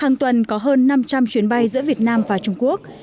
hàng tuần có hơn năm trăm linh chuyến bay giữa việt nam và trung quốc